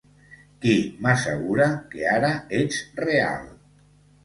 Qui m'assegura que ara ets real?